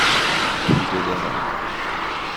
توده دارم.